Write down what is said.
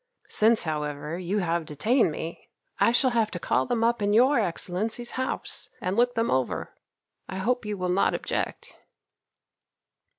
Since, however, you have detained me, I shall have to call them up in your Excellency's house and look them over. I hope you will not object."